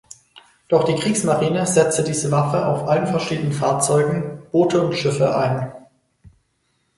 Doch die Kriegsmarine setzte diese Waffe auf allen verschiedenen Fahrzeugen (Boote und Schiffe) ein.